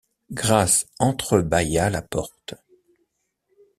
Grace entre-bâilla la porte.